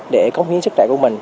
để có khí sức trẻ của mình